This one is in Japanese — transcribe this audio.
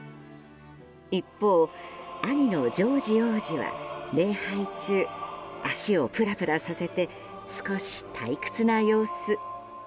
一方、兄のジョージ王子は礼拝中足をプラプラさせて少し退屈な様子。